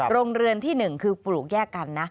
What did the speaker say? โรงเรือนที่๑คือปลูกแยกกันนะ